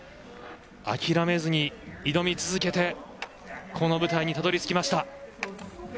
諦めずに挑み続けてこの舞台にたどり着きました。